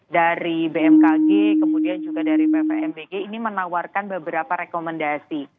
dari bmkg kemudian juga dari bvmbg ini menawarkan beberapa rekomendasi